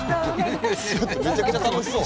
めちゃくちゃ楽しそう！